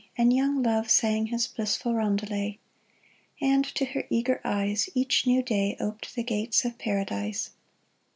And young Love sang his blissful roundelay j And to her eager eyes Each new day oped the gates of Paradise.